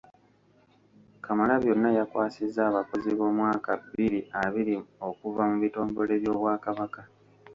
Kamalabyonna yakwasizza abakozi b’omwaka bbiri abiri okuva mu bitongole by’Obwakabaka.